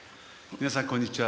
皆さん、こんにちは。